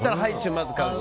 まず買うし。